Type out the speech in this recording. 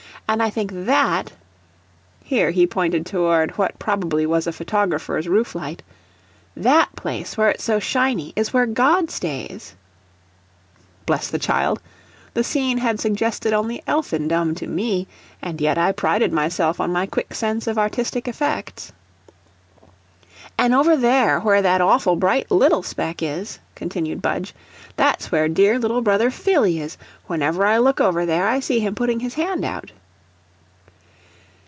And I think THAT (here he pointed toward what probably was a photographer's roof light) that place where it's so shiny, is where God stays." Bless the child! The scene had suggested only elfindom to ME, and yet I prided myself on my quick sense of artistic effects. "An' over there where that awful bright LITTLE speck is," continued Budge, "that's where dear little brother Phillie is; whenever I look over there, I see him putting his hand out."